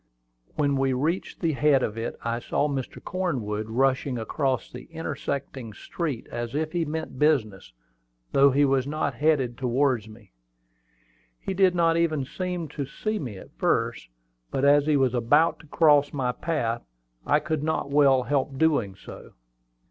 When we reached the head of it, I saw Mr. Cornwood rushing across the intersecting street as if he meant business, though he was not headed towards me. He did not even seem to see me at first; but as he was about to cross my path, he could not well help doing so.